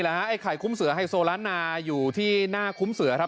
ไอ้ไข่คุ้มเสือไฮโซล้านนาอยู่ที่หน้าคุ้มเสือครับ